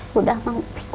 kisah kisahnya seperti apa